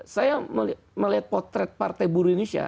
saya melihat potret partai buruh indonesia